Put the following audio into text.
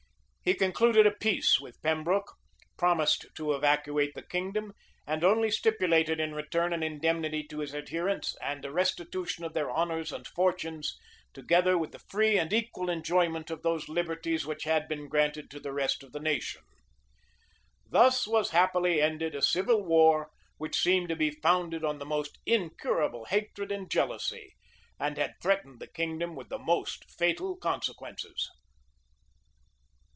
He concluded a peace with Pembroke, promised to evacuate the kingdom, and only stipulated in return an indemnity to his adherents, and a restitution of their honors and fortunes, together with the free and equal enjoyment of those liberties which had been granted to the rest of the nation.[] Thus was happily ended a civil war which seemed to be founded on the most incurable hatred and jealousy, and had threatened the kingdom with the most fatal consequences.